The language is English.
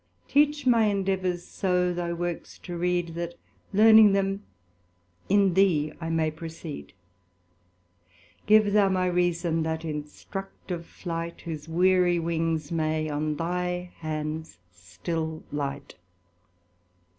Teach my indeavours so thy works to read, That learning them in thee, I may proceed. Give thou my reason that instructive flight, Whose weary wings may on thy hands still light.